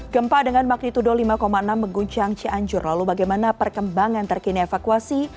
gempa dengan magnitudo lima enam mengguncang cianjur lalu bagaimana perkembangan terkini evakuasi